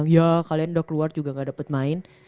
udah keluar juga gak dapet main